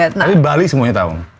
tapi bali semuanya tau